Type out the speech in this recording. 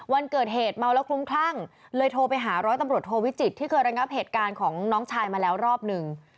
วันเกิดเหตุเมาแล้วคลุ้มคลั่งเลยโทรไปหาร้อยตำรวจโทวิจิตรที่เคยระงับเหตุการณ์ของน้องชายมาแล้วรอบหนึ่ง